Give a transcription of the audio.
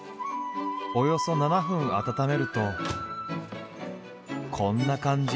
およそ７分温めるとこんな感じ。